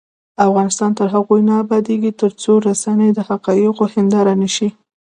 افغانستان تر هغو نه ابادیږي، ترڅو رسنۍ د حقایقو هنداره نشي.